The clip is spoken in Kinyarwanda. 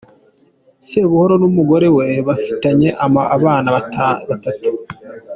Sebuhoro n’umugore we bafitanye abana batatu.